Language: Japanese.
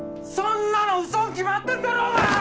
そんなの嘘に決まってんだろうが！